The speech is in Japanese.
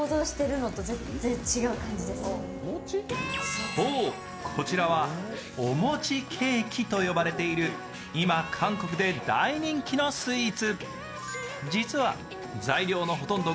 そう、こちらはお餅ケーキと呼ばれている今、韓国で大人気のスイーツ。